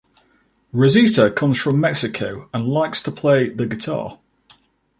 Rosita comes from Mexico and likes to play the guitar.